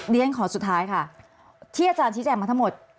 เรียนขอสุดท้ายค่ะที่อาจารย์ชี้แจงมาทั้งหมด